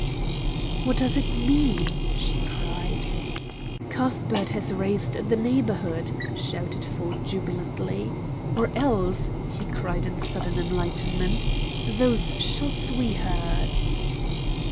"What does it mean?" she cried. "Cuthbert has raised the neighborhood!" shouted Ford jubilantly. "Or else" he cried in sudden enlightenment "those shots we heard."